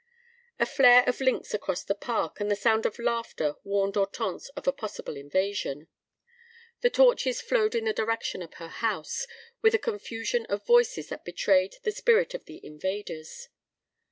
A flare of links across the park, and the sound of laughter warned Hortense of a possible invasion. The torches flowed in the direction of her house, with a confusion of voices that betrayed the spirit of the invaders.